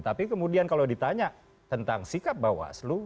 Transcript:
tapi kemudian kalau ditanya tentang sikap bawah seluruh